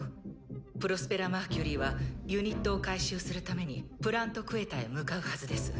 プロスペラ・マーキュリーはユニットを回収するためにプラント・クエタへ向かうはずです。